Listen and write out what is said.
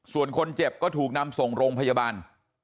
ส่วนคนเจ็บก็ถูกนำส่งโรงพยาบาล